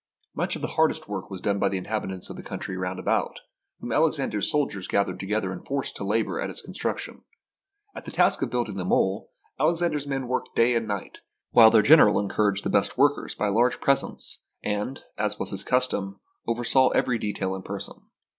Much of the hardest work was done by the inhabitants of the country round about, whom Alexander's soldiers gathered together and forced to labor at its con struction. At the task of building the mole, Alex ander's men worked day and night, while their general encouraged the best workers by large pres ents, and, as was his custom, oversaw every detail in person.